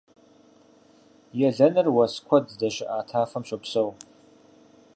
Елэныр уэс куэд здэщыӀэ тафэм щопсэу.